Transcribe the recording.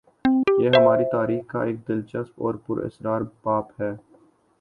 یہ ہماری تاریخ کا ایک دلچسپ اور پر اسرار باب ہے۔